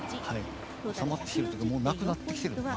収まってきているというかもうなくなってきている。